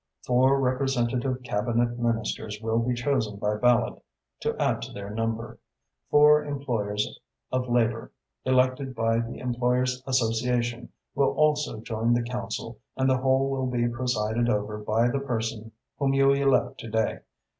Four representative Cabinet Ministers will be chosen by ballot to add to their number. Four employers of labour, elected by the Employers' Association, will also join the council and the whole will be presided over by the person whom you elect to day.